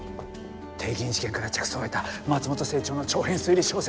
帝銀事件から着想を得た松本清張の長編推理小説。